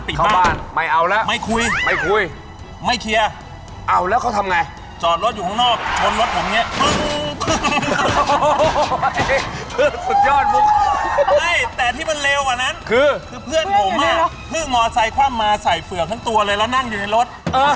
เพื่อนโหมาเพื่อหมอซัยคว่ังมาใส่เซวงทั้งตัวเลยแล้วนั่งอยู่ในรถ